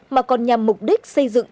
mà còn nhằm mục đích xây dựng